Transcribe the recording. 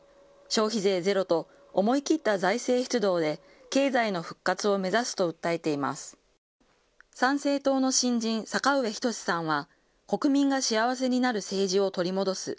消費税ゼロと思い切った財政出動で、経済の復活を参政党の新人、坂上仁志さんは国民が幸せになる政治を取り戻す。